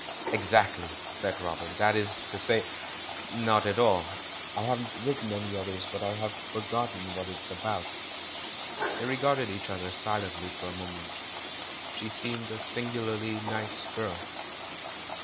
"Exactly," said Robert; "that is to say, not at all. I haven't written any others, but I have for gotten what it's about." They regarded each other silently for a mo ment. ... She seemed a singularly nice girl.